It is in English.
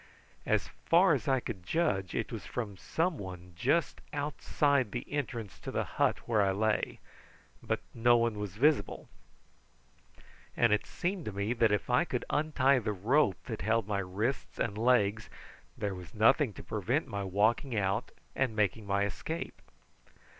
As far as I could judge it was from some one just outside the entrance to the hut where I lay, but no one was visible, and it seemed to me that if I could untie the rope that held my wrists and legs there was nothing to prevent my walking out and making my escape.